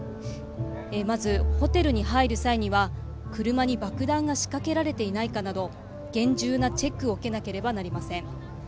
まず、ホテルに入る際には車に爆弾が仕掛けられていないかなど厳重なチェックを受けなければなりません。